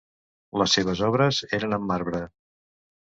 Les seves obres eren en marbre.